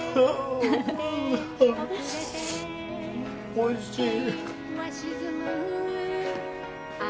おいしい。